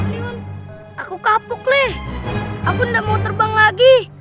kliwon aku kapuk lih aku tidak mau terbang lagi